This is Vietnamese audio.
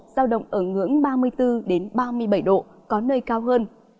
giao động ở ngưỡng ba mươi bốn ba mươi bảy độ có nơi cao hơn